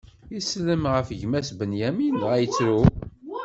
Isellem ɣef gma-s Binyamin, dɣa ittru.